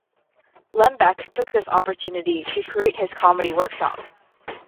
Lembeck took this opportunity to create his comedy workshop.